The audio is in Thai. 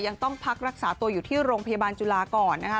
ยังต้องพักรักษาตัวอยู่ที่โรงพยาบาลจุฬาก่อนนะคะ